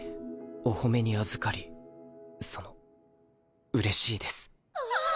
お褒めにあずかりそのうれしいです。